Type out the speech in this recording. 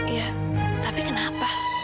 iya tapi kenapa